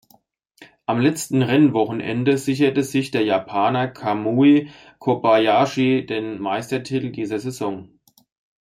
Am letzten Rennwochenende sicherte sich der Japaner Kamui Kobayashi den Meistertitel dieser Saison.